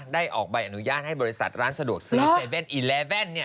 ออกใบอนุญาตให้บริษัทร้านสะดวกซื้อ๗๑๑